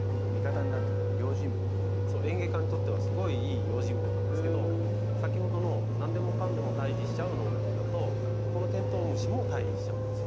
園芸家にとってはすごいいい用心棒なんですけど先ほどの何でもかんでも退治しちゃう薬剤だとこのテントウムシも退治しちゃうんです。